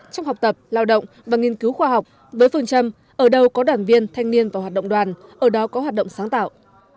trong học tập lao động và nghiên cứu khoa học với phương châm ở đâu có đoàn viên thanh niên vào hoạt động đoàn ở đó có hoạt động sáng tạo